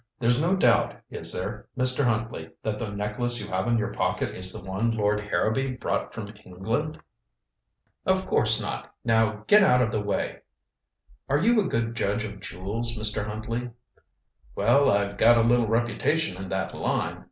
"There's no doubt, is there, Mr. Huntley, that the necklace you have in your pocket is the one Lord Harrowby brought from England?" "Of course not. Now, get out of the way " "Are you a good judge of jewels, Mr. Huntley?" "Well, I've got a little reputation in that line.